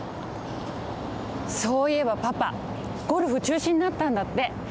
そういえばパパゴルフちゅうしになったんだって。